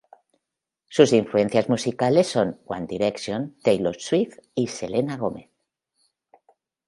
Sus influencias musicales son One Direction, Taylor Swift y Selena Gomez.